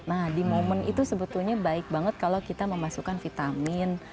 nah di momen itu sebetulnya baik banget kalau kita memasukkan vitamin